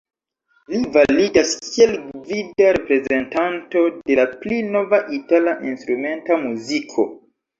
Li validas kiel gvida reprezentanto de la pli nova itala instrumenta muziko.